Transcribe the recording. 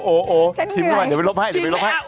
โอ้โอพิมพ์เข้ามาเดี๋ยวไปลบให้